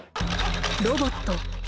ロボット。